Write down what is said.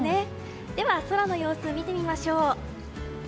では、空の様子を見てみましょう。